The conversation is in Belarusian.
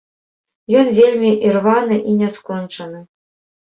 Ён вельмі ірваны і няскончаны.